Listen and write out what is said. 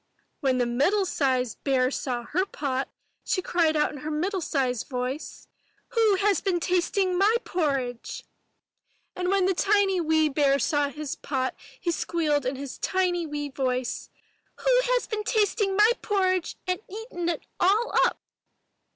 When the middle sized bear saw her pot, she cried out in her middle sized voice, ''Who has been tasting my porridge?" 250 IN THE NURSERY And when the 'tiny wee bear saw his pot, he squealed in his tiny wee voice, *'Who has been tasting my porridge and eaten it all up?''